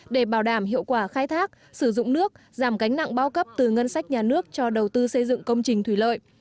để bảo đảm hiệu quả khai thác sử dụng nước giảm cánh nặng bao cấp từ ngân sách nhà nước cho đầu tư xây dựng công trình thủy lợi